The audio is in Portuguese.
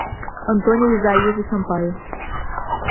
Antônio Izaias de Sampaio